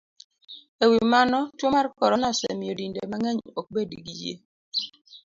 E wi mano, tuo mar corona osemiyo dinde mang'eny ok bed gi yie